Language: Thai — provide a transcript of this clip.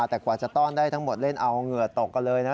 แต่กว่าจะต้อนได้ทั้งหมดเล่นเอาเหงื่อตกกันเลยนะ